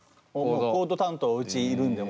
コード担当うちいるんでもう。